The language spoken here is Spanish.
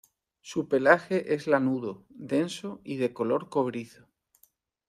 Su pelaje es lanudo, denso y de color cobrizo.